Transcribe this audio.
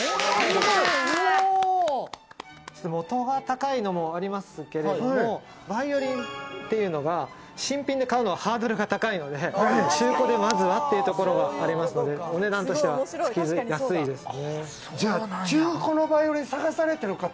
元が高いのもありますけれど、バイオリンっていうのが新品で買うのがハードルが高いので、中古でまずはっていうところがありますので、お値段としてはつきやすいですね。